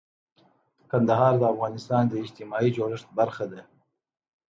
کندهار د افغانستان د اجتماعي جوړښت برخه ده.